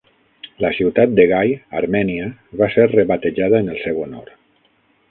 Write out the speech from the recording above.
La ciutat de Gai, Armènia, va ser rebatejada en el seu honor.